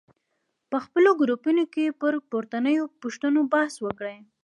په خپلو ګروپونو کې پر پورتنیو پوښتنو بحث وکړئ.